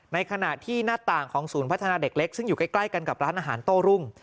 ในขณะที่หน้าต่างของศูนย์พัฒนาเด็กเล็กซึ่งอยู่ใกล้กันกับร้านอาหารโต้รุ่ง